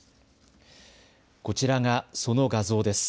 こちらがその画像です。